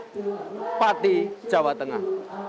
dari pati jawa tengah